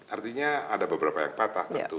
artinya ada beberapa yang patah tentu